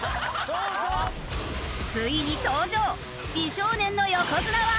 ついに登場美少年の横綱は。